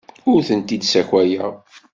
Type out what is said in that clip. Ur tent-id-ssakayeɣ.